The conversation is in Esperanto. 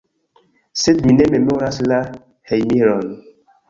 Sed mi ne memoras la hejmiron.